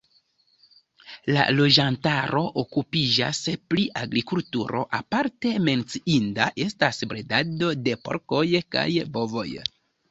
La loĝantaro okupiĝas pri agrikulturo, aparte menciinda estas bredado de porkoj kaj bovoj.